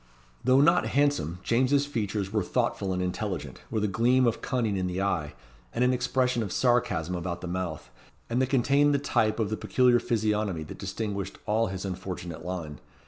Though not handsome, James's features were thoughtful and intelligent, with a gleam of cunning in the eye, and an expression of sarcasm about the mouth, and they contained the type of the peculiar physiognomy that distinguished all his unfortunate line.